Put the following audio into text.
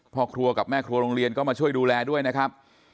พ่อครัวกับแม่ครัวโรงเรียนก็มาช่วยดูแลด้วยนะครับ